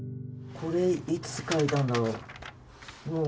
これいつ書いたんだろう。